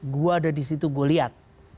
gue ada di situ gue liat